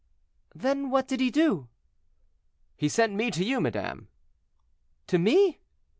"Then what did he do?" "He sent me to you, madame." "To me?"